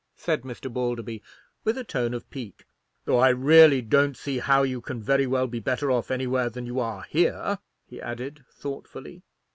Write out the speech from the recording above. said Mr. Balderby, with a tone of pique; "though I really don't see how you can very well be better off anywhere than you are here," he added, thoughtfully.